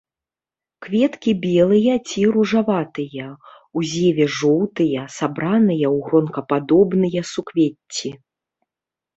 Кветкі белыя ці ружаватыя, у зеве жоўтыя, сабраныя ў гронкападобныя суквецці.